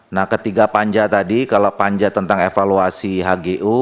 nah ketiga panja tadi kalau panja tentang evaluasi hgu